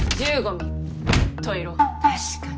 確かに。